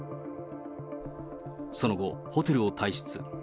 その後、ホテルを退出。